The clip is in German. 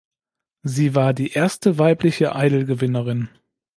Sie war die erste weibliche Idol-Gewinnerin.